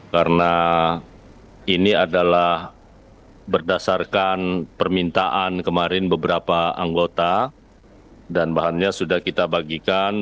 karena ini adalah berdasarkan permintaan kemarin beberapa anggota dan bahannya sudah kita bagikan